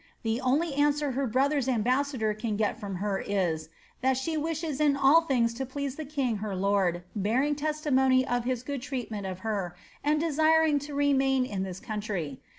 llie only answer her brother's ambassador can get from her is, *tfaat ibe wishes in all things to please the king her lord, bearing testimony of his good treatment of her, and desiring to remain in this country.